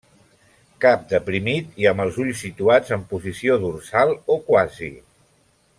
Cap deprimit i amb els ulls situats en posició dorsal o quasi.